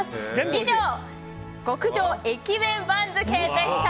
以上、極上駅弁番付でした。